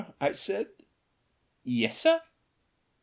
I said. "Yes, sir."